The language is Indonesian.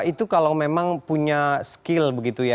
itu kalau memang punya skill begitu ya